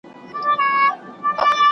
کتابونه د پوهې سرچینې دي.